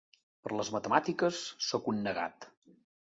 Per a les matemàtiques, soc un negat.